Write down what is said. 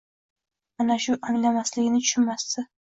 Mana shu anglamasligini tushunmasdi.